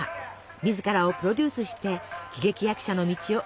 自らをプロデュースして喜劇役者の道を切り開きました。